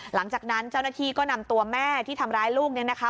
หลังจากนั้นเจ้าหน้าที่ก็นำตัวแม่ที่ทำร้ายลูกเนี่ยนะคะ